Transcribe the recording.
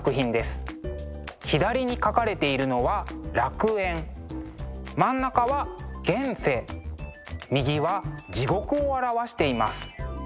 左に描かれているのは楽園真ん中は現世右は地獄を表しています。